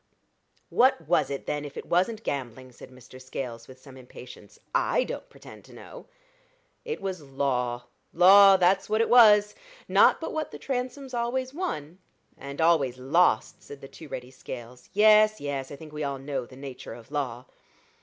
"What was it, then, if it wasn't gambling?" said Mr. Scales, with some impatience. "I don't pretend to know." "It was law law that's what it was. Not but what the Transomes always won." "And always lost," said the too ready Scales. "Yes, yes; I think we all know the nature of law."